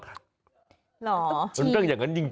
หรอจริงมันต้องอย่างนั้นจริง